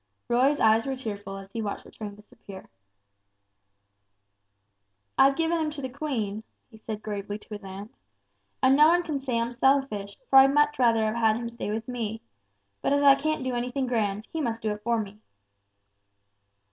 Roy's eyes were tearful as he watched the train disappear. "I've given him to the Queen," he said, gravely, to his aunt; "and no one can say I'm selfish, for I'd much rather have had him stay with me. But as I can't do anything grand, he must do it for me!"